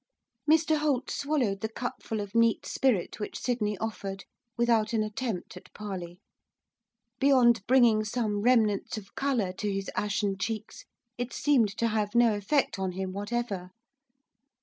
Mr Holt swallowed the cupful of neat spirit which Sydney offered without an attempt at parley. Beyond bringing some remnants of colour to his ashen cheeks it seemed to have no effect on him whatever.